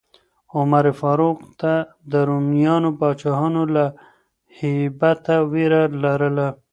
عمر فاروق ته د رومیانو پاچاهانو له هیبته ویره لرله.